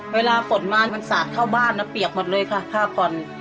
เวลาฝนมามันสาดเข้าบ้านนะเปียกหมดเลยค่ะผ้าก่อน